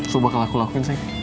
soal ini akan aku lakuin